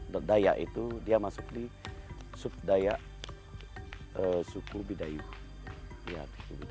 daya itu dia masuk di subdaya suku bidayuh